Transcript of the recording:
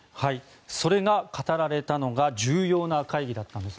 それが語られたのが重要な会議だったんです。